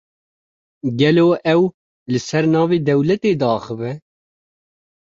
Gelo ew, li ser navê dewletê diaxife?